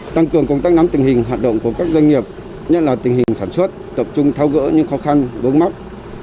tăng cường công tác nắm tình hình hoạt động của các doanh nghiệp nhất là tình hình sản xuất tập trung thao gỡ những khó khăn vướng mắt